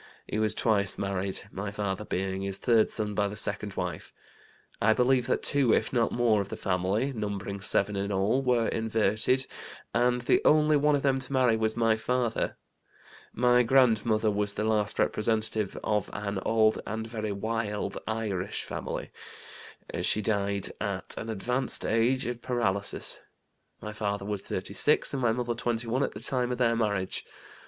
He was twice married, my father being his third son by the second wife. I believe that two, if not more, of the family (numbering seven in all) were inverted, and the only one of them to marry was my father. My grandmother was the last representative of an old and very 'wild' Irish family. She died at an advanced age, of paralysis. My father was 36 and my mother 21 at the time of their marriage.